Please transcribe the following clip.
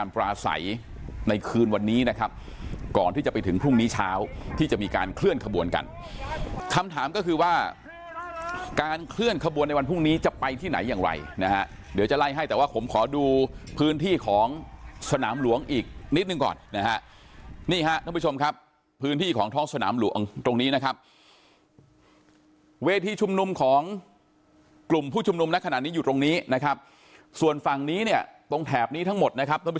พื้นวันนี้นะครับก่อนที่จะไปถึงพรุ่งนี้เช้าที่จะมีการเคลื่อนขบวนกันคำถามก็คือว่าการเคลื่อนขบวนในวันพรุ่งนี้จะไปที่ไหนอย่างไรนะฮะเดี๋ยวจะไล่ให้แต่ว่าผมขอดูพื้นที่ของสนามหลวงอีกนิดนึงก่อนนะฮะนี่ฮะทุกผู้ชมครับพื้นที่ของท้องสนามหลวงตรงนี้นะครับเวที่ชุมนุมของกลุ่มผู้ชุมนุมนัด